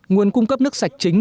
nguồn cung cấp nước sạch chính